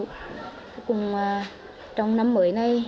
cuối cùng trong năm mới này